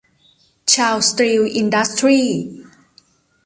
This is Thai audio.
เชาว์ สตีล อินดัสทรี้